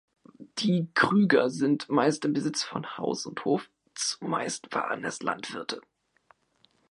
Die "Krüger" sind meist im Besitz von Haus und Hof, zumeist waren es Landwirte.